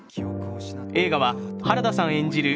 映画は原田さん演じる